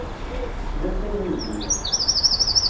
Teslamt ayen ay d-nniɣ.